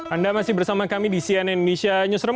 anda masih bersama kami di cnn indonesia newsroom